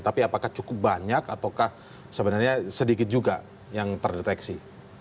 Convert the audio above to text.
tapi apakah cukup banyak ataukah sebenarnya sedikit juga yang terdeteksi